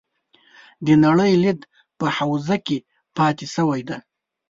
د نړۍ لید په حوزه کې پاتې شوي دي.